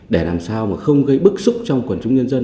để làm sao mà không gây bức xúc trong quần chúng nhân dân